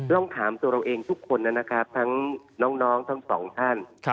ต้องถามตัวเราเองทุกคนนะครับทั้งน้องทั้งสองท่าน